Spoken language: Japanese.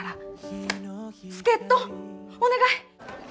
助っ人お願い！